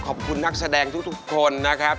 ขอบคุณนักแสดงทุกคนนะครับ